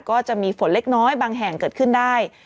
ก็จะมีฝนเล็กน้อยบางแห่งเกิดขึ้นได้